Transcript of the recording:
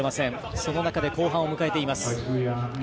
その中で後半を迎えています。